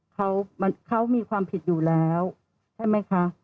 เขามีความผิดอยู่แล้วใช่ไหมคะ